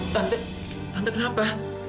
tante tante kenapa